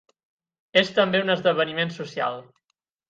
És també un esdeveniment social.